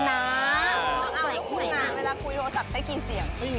เอาแล้วคุณเวลาคุยโทรศัพท์ใช้กี่เสียง